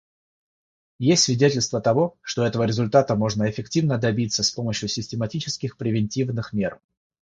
Есть свидетельства того, что этого результата можно эффективно добиться с помощью систематических превентивных мер.